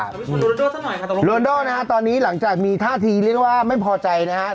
ลูนโด่สักหน่อยค่ะลูนโด่นะฮะตอนนี้หลังจากมีท่าทีเรียกว่าไม่พอใจนะฮะ